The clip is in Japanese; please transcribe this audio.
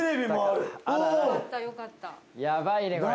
やばいねこれ。